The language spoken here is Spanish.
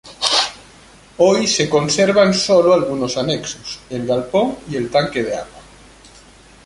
Hoy se conservan sólo algunos anexos, el galpón y el tanque de agua.